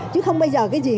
chứ không bây giờ cái gì